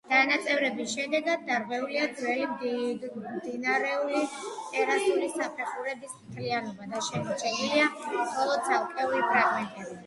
დანაწევრების შედეგად დარღვეულია ძველი მდინარეული ტერასული საფეხურების მთლიანობა და შემორჩენილია მხოლოდ ცალკეული ფრაგმენტები.